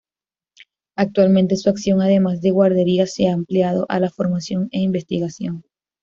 Actualmente su acción además de guarderías, se ha ampliado a la formación e investigación.